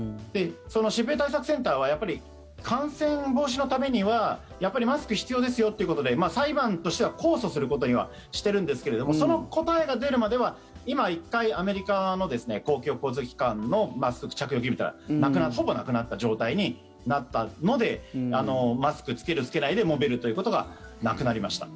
疾病対策センターは感染防止のためにはやっぱりマスク必要ですよということで裁判としては控訴することにはしてるんですけれどもその答えが出るまでは今１回アメリカの公共交通機関のマスク着用義務というのはほぼなくなった状態になったのでマスク着ける、着けないでもめるということがなくなりました。